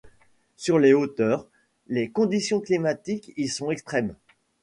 Sur les hauteurs, les conditions climatiques y sont extrêmes.